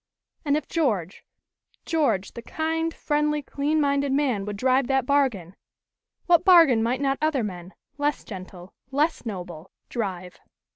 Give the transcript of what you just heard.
And if George George, the kind, friendly, clean minded man would drive that bargain, what bargain might not other men, less gentle, less noble, drive?